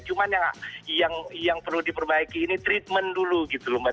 cuma yang perlu diperbaiki ini treatment dulu gitu loh mbak